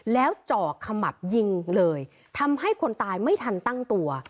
แล้วเจาะขมับยิงเลยทำให้คนตายไม่ทันตั้งตัว